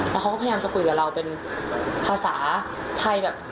แล้วเขาก็พยายามจะคุยกับเราเป็นภาษาไทยแบบ